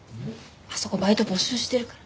あそこバイト募集してるから。